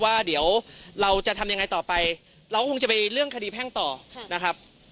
ว่าเดี๋ยวเราจะทำยังไงต่อไปเราก็คงจะไปเรื่องคดีแพ่งต่อนะครับ